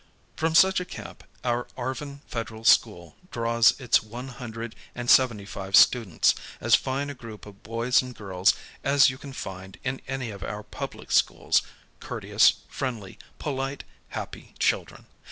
From such a camp our Arvin Federal School draws its one hundred and seventy five students, as fine a group of boys and girls as you can find in any of our public schools, courteous, friendly, polite, happ> children.